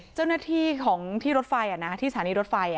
เจ้าหน้าที่ของที่รถไฟที่สถานีรถไฟ